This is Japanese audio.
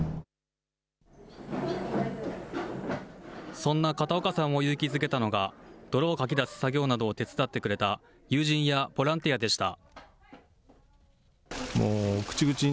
そんな片岡さんを勇気づけたのが、泥をかき出す作業などを手伝ってくれた友人やボランティアでした。